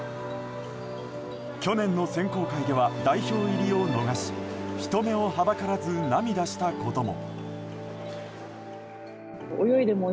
去年の選考会では代表入りを逃し人目をはばからず涙したことも。